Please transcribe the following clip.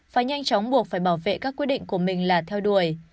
phải nhanh chóng buộc phải bảo vệ các quyết định của mình là theo đuổi